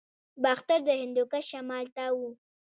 باختر د هندوکش شمال ته و